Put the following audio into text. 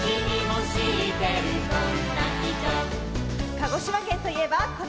鹿児島県といえばこのかた！